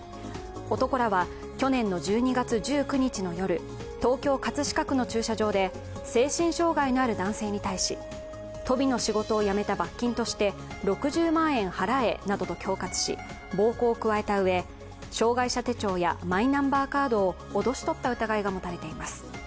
男らは去年の１２月１９日の夜、東京・葛飾区の駐車場で精神障害のある男性に対しとびの仕事を辞めた罰金として６０万円払えなどと恐喝し暴行を加えたうえ障害者手帳やマイナンバーカードを脅し取った疑いが持たれています。